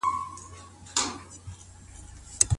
ډاکټران څنګه خپله روژه ماتوي؟